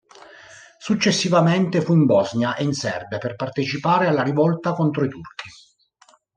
Successivamente fu in Bosnia e in Serbia per partecipare alla rivolta contro i Turchi.